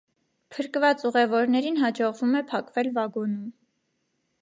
Փրկված ուղևորներին հաջողվում է փակվել վագոնում։